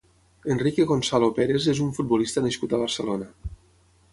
Enrique Gonzalo Pérez és un futbolista nascut a Barcelona.